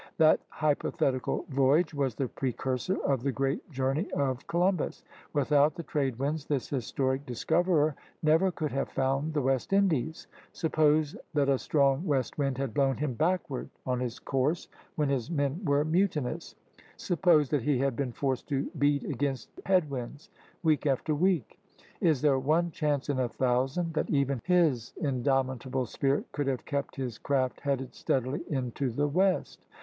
That hypothetical voyage was the precursor of the great journey of Columbus. W^ithout the trade winds this historic discoverer never could have found the West Indies. Suppose that a strong west wind had blown him backward on his course THE APPROACHES TO AMERICA 35 when his men were mutinous. Suppose that he had been forced to beat against head winds week after week. Is there one chance in a thousand that even his indomitable spirit could have kept his craft headed steadily into the west.